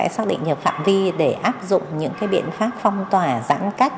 xác định được phạm vi để áp dụng những biện pháp phong tỏa giãn cách